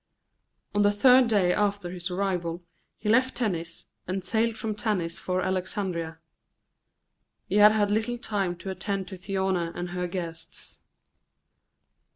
On the third day after his arrival he left Tennis and sailed from Tanis for Alexandria. He had had little time to attend to Thyone and her guests.